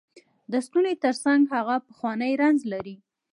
د ستومانۍ تر څنګ هغه پخوانی رنځ لرې کړ.